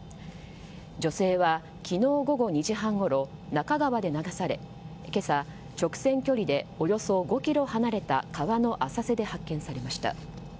女性は昨日午後２時半ごろ那珂川で流され今朝、直線距離でおよそ５ｋｍ離れた川の浅瀬で発見されました。